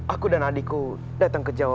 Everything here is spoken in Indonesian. aku dan adikku datang ke jawa